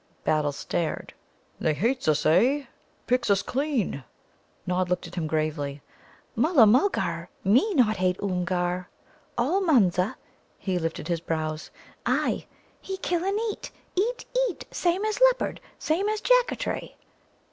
Battle stared. "They hates us, eh? Picks us clean!" Nod looked at him gravely. "Mulla mulgar me not hate Oomgar. All Munza" he lifted his brows "ay! he kill and eat, eat, eat, same as leopard, same as Jaccatray."